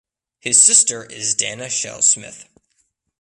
His sister is Dana Shell Smith.